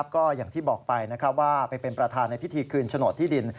ก็อย่างที่บอกไปว่าไปเป็นประธานในพิธีคืนโฉนดที่ดิน